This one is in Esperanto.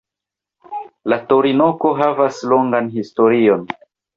La torinoko havas longan historion.